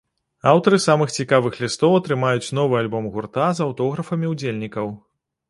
Аўтары самых цікавых лістоў атрымаюць новы альбом гурта з аўтографамі ўдзельнікаў.